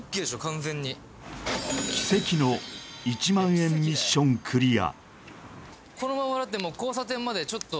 完全に奇跡の１万円ミッションクリア